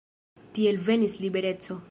Tiel venis libereco.